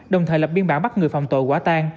đồng thời lập biên bản bắt người phạm tội quả tan